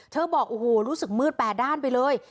บอกโอ้โหรู้สึกมืดแปดด้านไปเลย